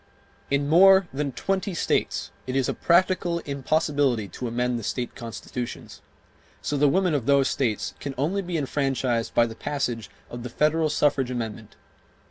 In more than twenty states it is a practical impossibility to amend the state constitutions; so the women of those States can only be enfranchised by the passage of the federal suffrage amendment.